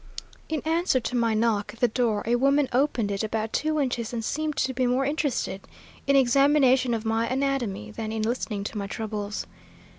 "In answer to my knock at the door a woman opened it about two inches and seemed to be more interested in examination of my anatomy than in listening to my troubles.